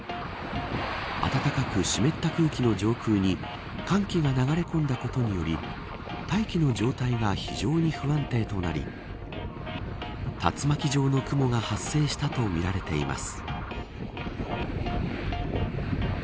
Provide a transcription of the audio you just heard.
暖かく湿った空気の上空に寒気が流れ込んだことにより大気の状態が非常に不安定となり竜巻状の雲が発生したとみられています。